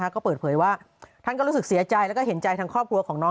ก็เปิดเผยว่าท่านก็รู้สึกเสียใจแล้วก็เห็นใจทางครอบครัวของน้อง